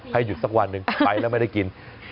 หยุดสักวันหนึ่งไปแล้วไม่ได้กิน